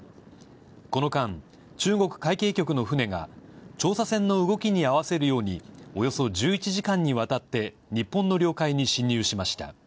この間、中国海警局の船が、調査船の動きに合わせるように、およそ１１時間にわたって日本の領海に侵入しました。